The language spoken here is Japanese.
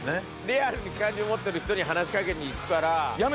リアルに機関銃持ってる人に話し掛けに行くから。